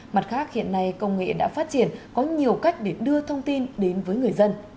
mặt khác hiện nay công nghệ đã phát triển có nhiều cách để đưa thông tin đến với người dân